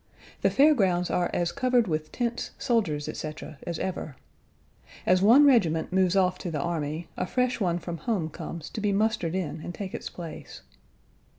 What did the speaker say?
The fair grounds are as covered with tents, soldiers, etc., as ever. As one regiment moves off to the army, a fresh one from home comes to be mustered in and take its place.